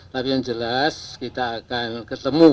tapi yang jelas kita akan ketemu